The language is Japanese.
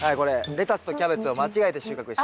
レタスとキャベツを間違えて収穫しちゃって。